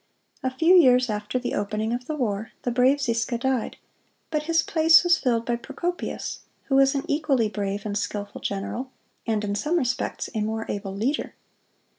A few years after the opening of the war, the brave Ziska died; but his place was filled by Procopius, who was an equally brave and skilful general, and in some respects a more able leader.